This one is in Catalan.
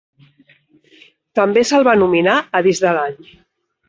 També se'l va nominar a Disc de l'Any.